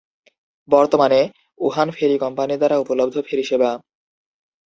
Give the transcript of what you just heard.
বর্তমানে, Wuhan ferry company দ্বারা উপলব্ধ ফেরি সেবা।